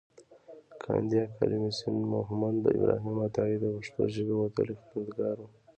کاندي اکاډميسنمحمد ابراهیم عطایي د پښتو ژبې وتلی خدمتګار و.